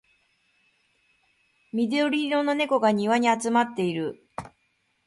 緑色の猫が庭に集まっている